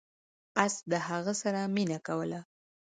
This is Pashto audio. اس د هغه سره مینه کوله.